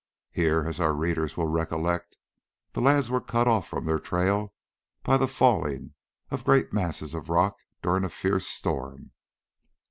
Here, as our readers will recollect, the lads were cut off from their trail by the falling of great masses of rock during a fierce storm.